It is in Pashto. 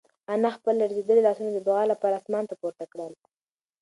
انا خپل لړزېدلي لاسونه د دعا لپاره اسمان ته پورته کړل.